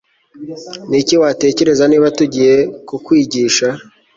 niki watekereza niba tugiye kukwigisha